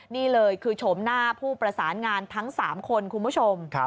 นี่เลยคือโฉมหน้าผู้ประสานงานทั้ง๓คนคุณผู้ชม